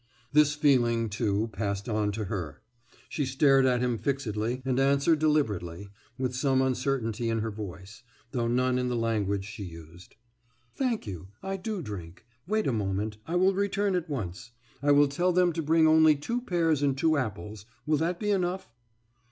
This feeling, too, passed on to her; she stared at him fixedly, and answered deliberately, with some uncertainty in her voice, though none in the language she used. »Thank you. I do drink. Wait a moment. I will return at once. I will tell them to bring only two pears and two apples. Will that be enough?